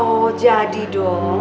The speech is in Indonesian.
oh jadi dong